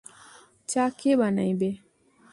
চা কে বানাইবে?